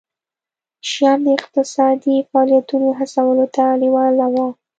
شیام د اقتصادي فعالیتونو هڅولو ته لېواله وو.